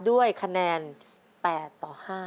ด้วยคะแนน๘ต่อ๕